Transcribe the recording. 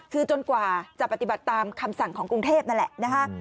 คือจนกว่าจะปฏิบัติตามคำสั่งของกรุงเทพนั่นแหละนะคะ